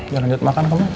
ya lanjut makan kamu